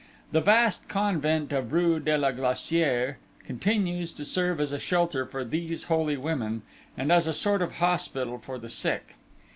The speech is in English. The vast convent of rue de la Glacière continues to serve as a shelter for these holy women, and as a sort of hospital for the sick.